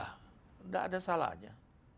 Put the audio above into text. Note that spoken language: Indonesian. tidak ada salahnya